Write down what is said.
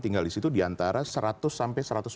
tinggal disitu diantara seratus sampai